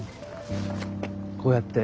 こうやって。